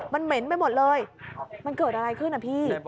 มันเหม็นไปหมดเลยมันเกิดอะไรขึ้นนะพี่